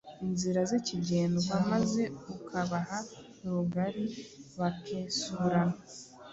inzira zikigendwa maze ukabaha rugari bakesurana.